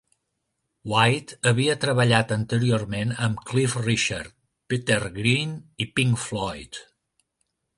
White havia treballat anteriorment amb Cliff Richard, Peter Green i Pink Floyd.